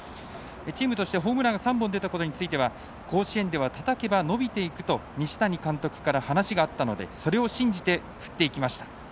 チームとしてホームランが３本出たことについては甲子園ではたたけば伸びていくと西谷監督から話があったのでそれを信じて振っていきました。